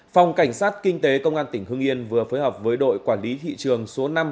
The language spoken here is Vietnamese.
phòng cảnh sát kinh tế công an tỉnh hưng yên vừa phối hợp với đội quản lý thị trường số năm